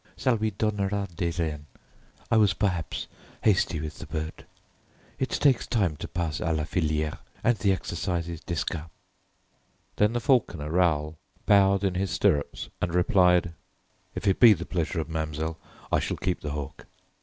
Ça lui donnera des reins. I was perhaps hasty with the bird. It takes time to pass à la filière and the exercises d'escap." Then the falconer Raoul bowed in his stirrups and replied: "If it be the pleasure of Mademoiselle, I shall keep the hawk."